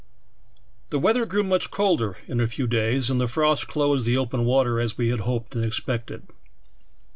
"The weather grew much colder in a few days, and the frost closed the open water as we had hoped and expected.